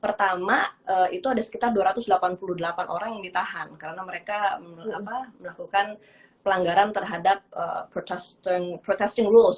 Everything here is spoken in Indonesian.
pertama itu ada sekitar dua ratus delapan puluh delapan orang yang ditahan karena mereka melakukan pelanggaran terhadap protesting rules